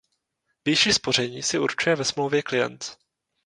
Výši spoření si určuje ve smlouvě klient.